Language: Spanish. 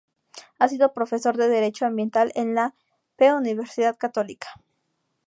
Ha sido profesor de Derecho Ambiental en la P. Universidad Católica.